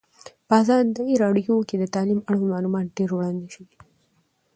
په ازادي راډیو کې د تعلیم اړوند معلومات ډېر وړاندې شوي.